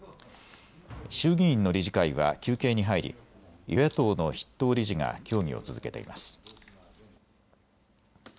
衆議院の理事会は休憩に入り与野党の筆頭理事が協議を続けています。